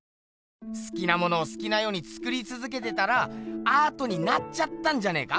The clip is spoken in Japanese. すきなものをすきなようにつくりつづけてたらアートになっちゃったんじゃねえか？